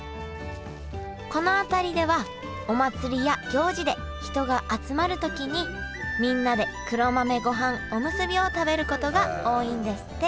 この辺りではお祭りや行事で人が集まる時にみんなで黒豆ごはんおむすびを食べることが多いんですって。